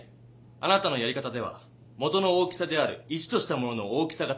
あなたのやり方では元の大きさである１としたものの大きさがちがっていたんです。